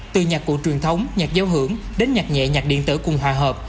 từ nhạc cụ truyền thống nhạc giao hưởng đến nhạc nhẹ nhạc điện tử cùng hòa hợp